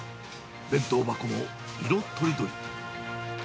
弁当箱も色とりどり。